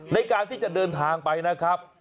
ในการที่จะเดินทางไปนะครับ